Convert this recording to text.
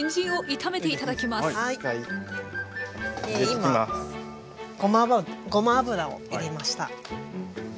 今ごま油を入れました。